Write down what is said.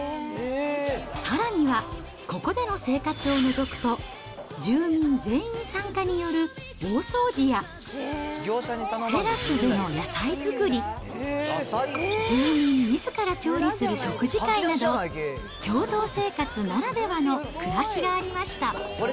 さらには、ここでの生活をのぞくと、住民全員参加による大掃除や、テラスでの野菜作り、住民みずから調理する食事会など、共同生活ならではの暮らしがありました。